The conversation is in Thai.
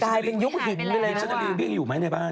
กลายเป็นยุคหินเลยแล้วะเป็นอยู่ไหมในบ้าน